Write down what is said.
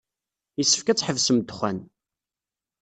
Yessefk ad tḥebsem ddexxan.